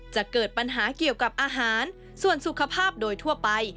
จะเกิดปัญหาเกี่ยวกับอาหารส่วนสุขภาพโดยทั่วไป